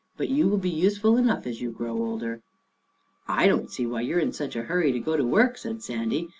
But you will be useful enough as you grow older." " I don't see why you are in such a hurry to go to work," said Sandy.